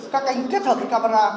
các anh kết hợp với camera